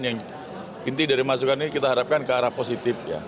yang inti dari masukan ini kita harapkan ke arah positif ya